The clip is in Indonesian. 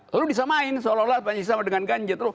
lalu disamain sama dengan ganja